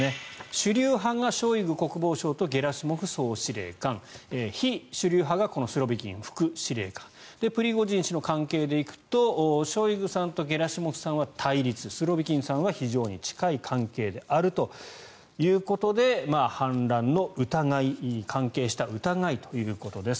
主流派がショイグ国防相とゲラシモフ総司令官非主流派がスロビキン副司令官プリゴジン氏の関係で行くとショイグさんとゲラシモフさんは対立スロビキンさんは非常に近い関係であるということで反乱の疑い関係した疑いということです。